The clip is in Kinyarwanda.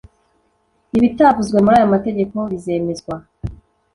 Ibitavuzwe muri aya mategeko bizemezwa.